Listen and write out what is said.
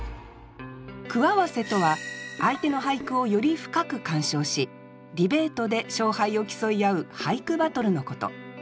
句合わせとは相手の俳句をより深く鑑賞しディベートで勝敗を競い合う俳句バトルのこと。